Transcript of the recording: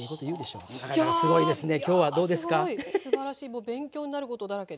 もう勉強になることだらけで。